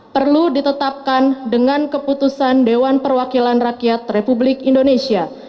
perlu ditetapkan dengan keputusan dewan perwakilan rakyat republik indonesia